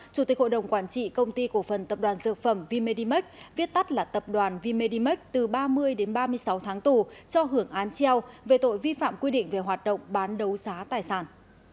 chủ tịch hội đồng quản trị công ty cổ phần tập đoàn dược phẩm v medimax viết tắt là tập đoàn v medimax từ ba mươi đến ba mươi sáu tháng tù cho hưởng án treo về tội vi phạm quy định về hoạt động bán đấu giá tài sản